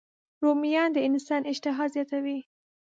رومیان د انسان اشتها زیاتوي